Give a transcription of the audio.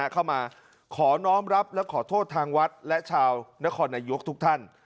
เข้ามาขอน้องรับและขอโทษทางวัดและชาวนครนายกทุกท่าน